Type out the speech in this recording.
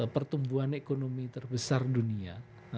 pertumbuhan ekonomi terbesar dunia